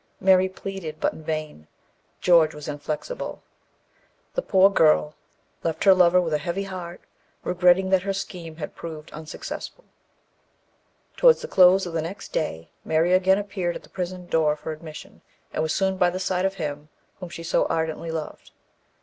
Mary pleaded, but in vain. George was inflexible. The poor girl left her lover with a heavy heart, regretting that her scheme had proved unsuccessful. Towards the close of the next day, Mary again appeared at the prison door for admission, and was soon by the side of him whom she so ardently loved.